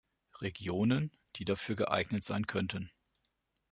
Regionen, die dafür geeignet sein könnten.